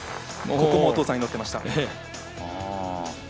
ここもお父さん、祈ってました。